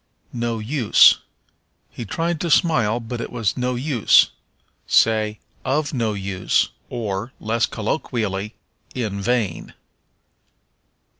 No Use. "He tried to smile, but it was no use." Say, of no use, or, less colloquially, in vain.